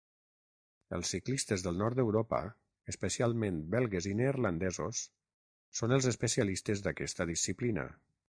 Els ciclistes del nord d'Europa, especialment belgues i neerlandesos, són els especialistes d'aquesta disciplina.